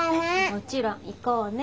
もちろん行こうね。